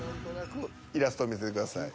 イラスト見せてください。